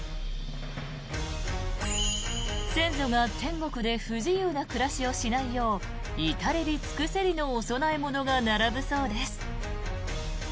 先祖が天国で不自由な暮らしをしないよう至れり尽くせりのお供え物が並ぶそうです。